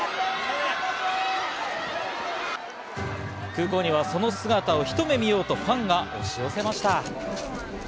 空港にはその姿を一目見ようとファンが押し寄せました。